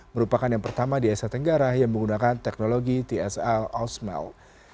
merupakan yang pertama di asa tenggara yang menggunakan teknologi tsl o smell